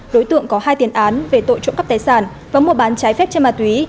đối tượng có hai tiền án về tội trộm cắp tài sản và mùa bán trái phép trên mà tuý